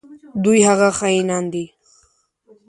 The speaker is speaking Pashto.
دوی هغه خاینان دي.